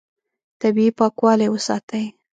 طبیعي پاکوالی وساتئ.